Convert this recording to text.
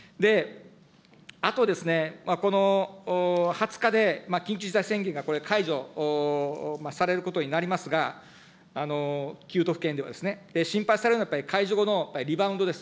あとですね、この２０日で緊急事態宣言がこれ、解除されることになりますが、９都府県ではですね、心配されるのはやっぱり解除後のリバウンドです。